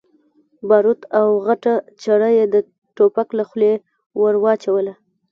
باروت او غټه چره يې د ټوپک له خولې ور واچوله.